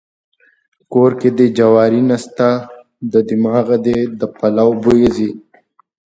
کور کې دې جواري نسته د دماغه دې د پلو بوی ځي.